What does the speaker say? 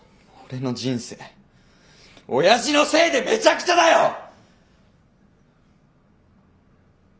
俺の人生親父のせいでめちゃくちゃだよ！